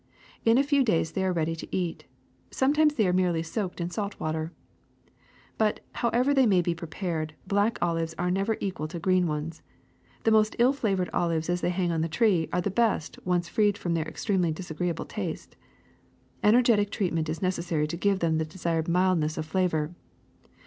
In a few days they are ready to eat. Sometimes they are merely soaked in salt water. *^But however they may be prepared, black olives are never equal to green ones. The most ill flavored olives as they hang on the tree are the best when once freed of their extremely disagreeable taste. Ener getic treatment is necessary to give them the desired mildness of flavor.